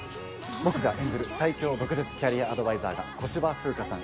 僕が演じる最恐毒舌キャリアアドバイザーが小芝風花さん